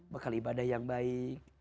bekal ibadah yang baik